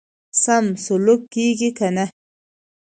سم سلوک کیږي کنه.